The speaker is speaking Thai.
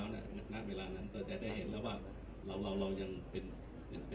คงมีอะไรอีกหน้าไม้